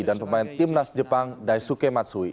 dan pemain timnas jepang daisuke matsui